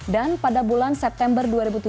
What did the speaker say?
dan pada bulan september dua ribu tujuh belas